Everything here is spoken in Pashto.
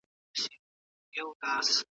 علم نابرابري کموي.